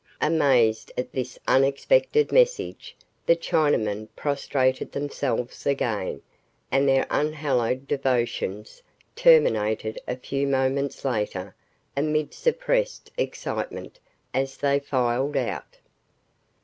Amazed at this unexpected message, the Chinamen prostrated themselves again and their unhallowed devotions terminated a few moments later amid suppressed excitement as they filed out.